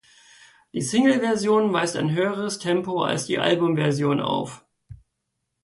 Die Singleversion weist ein höheres Tempo als die Albumversion auf.